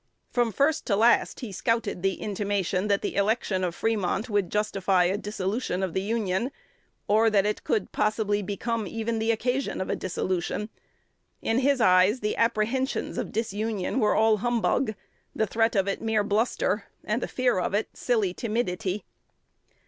From first to last, he scouted the intimation that the election of Fremont would justify a dissolution of the Union, or that it could possibly become even the occasion of a dissolution. In his eyes, the apprehensions of disunion were a "humbug;" the threat of it mere bluster, and the fear of it silly timidity.